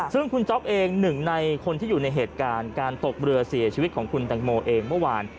ซึ่งคุณจ๊อปเองหนึ่งในคนที่อยู่ในเหตุการณ์การตกเรือเสียชีวิตของคุณตังโมเองเมื่อวาน